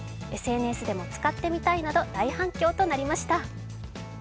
ＳＮＳでも使ってみたいなど大反響となりました。